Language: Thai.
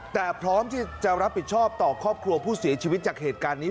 แต่พร้อมที่จะรับผิดชอบต่อครอบครัวผู้เสียชีวิตจากเหตุการณ์นี้